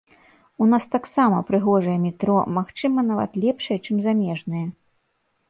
У нас таксама прыгожае метро, магчыма, нават лепшае, чым замежнае.